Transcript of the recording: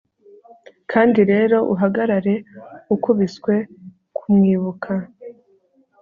kandi rero uhagarare ukubiswe, kumwibuka